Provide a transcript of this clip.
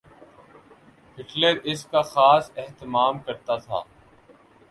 Hitler اس کا خاص اہتمام کرتا تھا۔